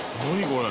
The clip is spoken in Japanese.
これ。